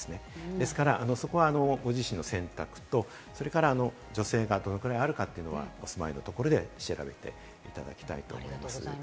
ですからそこはご自身の選択と、それから助成がどのくらいあるかというのはお住まいのところで調べていただきたいと思います。